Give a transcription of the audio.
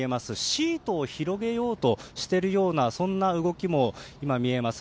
シートを広げようとしているような動きも今、見えます。